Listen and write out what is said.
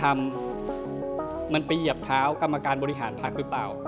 มันไปเหยียบเท้ากรรมการบริหารพักหรือเปล่า